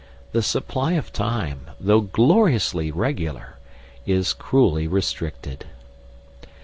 The supply of time, though gloriously regular, is cruelly restricted.